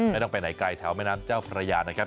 ไม่ต้องไปไหนไกลแถวแม่น้ำเจ้าพระยานะครับ